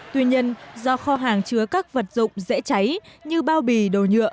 tuy nhiên do kho hàng chứa các vật dụng dễ cháy như bao bì đồ nhựa